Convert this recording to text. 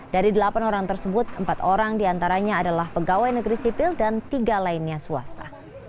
dari delapan orang tersebut empat orang diantaranya adalah pegawai negeri sipil dan tiga lainnya swasta